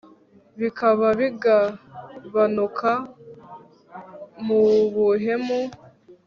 Bikaba bigabanuka mubuhemu